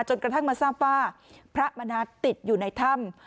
กระทั่งมาทราบว่าพระมณัฐติดอยู่ในถ้ำ